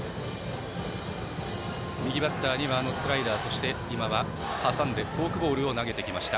右バッターにはスライダーそして、今は挟んでフォークボールを投げてきました。